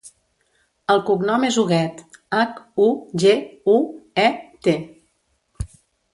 El cognom és Huguet: hac, u, ge, u, e, te.